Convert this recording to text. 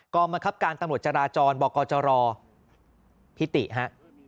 กรมกรับการตำรวจจราจรบอกว่าจะรอพี่ติฮะ